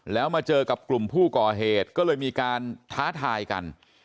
แล้วมาเจอกับกลุ่มผู้ก่อเหตุก็เลยมีการท้าทายกัน